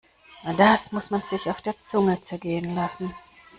Das muss man sich mal auf der Zunge zergehen lassen!